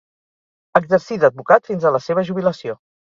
Exercí d'advocat fins a la seva jubilació.